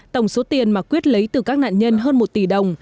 tổng số tiền mà quyết lấy từ các nạn nhân hơn một tỷ đồng